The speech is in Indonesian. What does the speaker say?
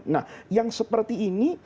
nah yang seperti ini